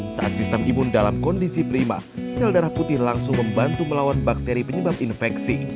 saat sistem imun dalam kondisi prima sel darah putih langsung membantu melawan bakteri penyebab infeksi